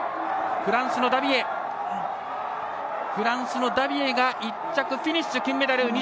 フランスのダビエが１着フィニッシュで金メダル。